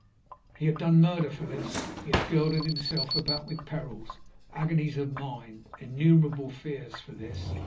He had done murder for this! He had girdled himself about with perils, agonies of mind, innumerable fears, for this!